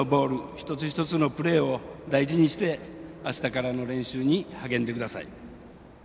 一つ一つのプレーを大事にしてあしたからの練習に励んでください。